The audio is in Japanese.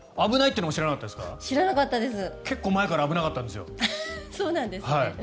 結構前から危なかったんですよ。